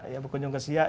ya berkunjung ke siak